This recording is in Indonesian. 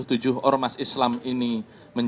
menjadi wakil presiden